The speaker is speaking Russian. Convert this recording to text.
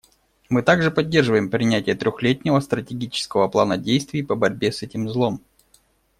Мы также поддерживаем принятие трехлетнего стратегического плана действий по борьбе с этим злом.